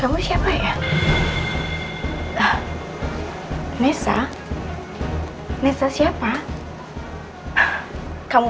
aku kaget sama kamu